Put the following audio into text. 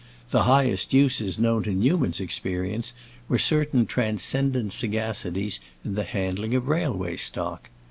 The highest uses known to Newman's experience were certain transcendent sagacities in the handling of railway stock.